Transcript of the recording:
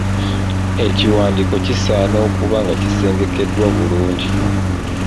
Ekiwandiiko kisaana okuba nga kisengekeddwa bulungi.